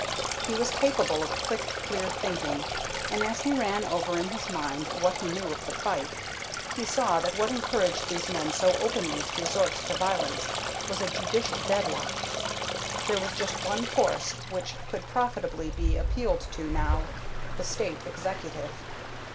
He was capable of quick, clear thinking, and as he ran over in his mind what he knew of the fight, he saw that what encouraged these men so openly to resort to violence was a judicial deadlock. There was just one force which could profitably be appealed to now, the State Executive.